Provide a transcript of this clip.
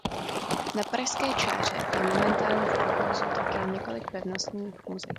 Na Pražské čáře je momentálně v provozu také několik pevnostních muzeí.